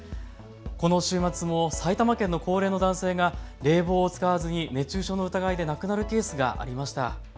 この週末も埼玉県の高齢の男性が冷房を使わずに熱中症の疑いで亡くなるケースがありました。